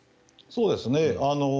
そうですね。